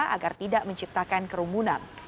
agar tidak menciptakan kerumunan